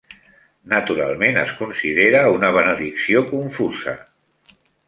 Naturalment, es considera una benedicció confusa.